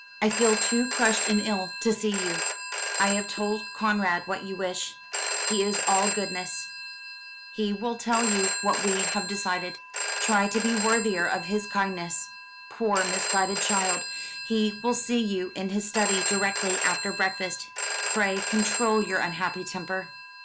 "I feel too crushed and ill to see you I have told Conrad what you wish he is all goodness he will tell you what we have decided try to be worthier of his kindness poor misguided child he will see you in his study, directly after breakfast pray control your unhappy temper."